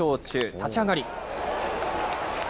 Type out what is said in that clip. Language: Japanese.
立ち上がり。